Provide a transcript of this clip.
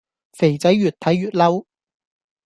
肥仔愈睇愈嬲